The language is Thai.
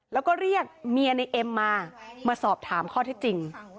แล้วก็เรียกเมียในเอ็มมามาสอบถามข้อที่จริง